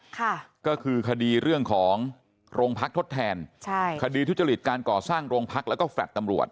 ค่ะก็คือคดีเรื่องของโรงพักทดแทนใช่คดีทุจริตการก่อสร้างโรงพักแล้วก็แฟลต์ตำรวจ